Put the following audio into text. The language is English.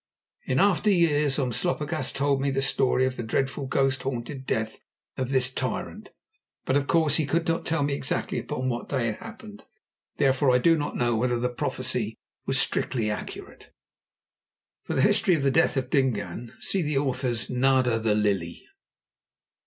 In after years Umslopogaas told me the story of the dreadful ghost haunted death of this tyrant, but, of course, he could not tell me exactly upon what day it happened. Therefore I do not know whether the prophecy was strictly accurate. For the history of the death of Dingaan, see the Author's "Nada the Lily."